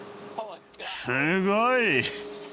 すごい！